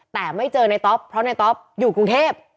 แต่ไม่เจอในต๊อปเพราะในต๊อปอยู่กรุงเทพ